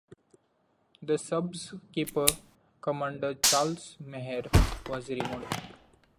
The sub's skipper, Commander Charles Maher was removed.